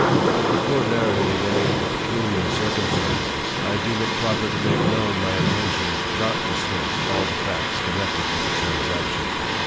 But before narrating any of the pe culiar circumstances, I deem it proper to make known my intention not to state all the facts connected with the transaction.